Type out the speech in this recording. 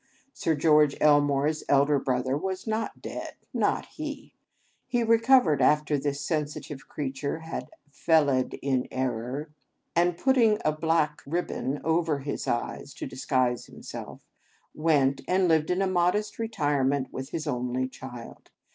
Sir George Elmore's elder brother was not dead. Not he! He recovered, after this sensitive creature had "fel ed in er orror," and, putting a black ribbon over his eyes to dis guise himself, went and lived in a modest retirement with his only child.